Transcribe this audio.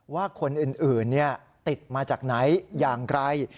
ว่าคนอื่นติดมาจากไหนอย่างไร